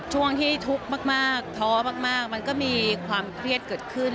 ช่วงที่ทุกข์มากท้อมากมันก็มีความเครียดเกิดขึ้น